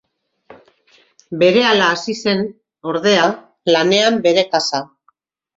Berehala hasi zen, ordea, lanean bere kasa.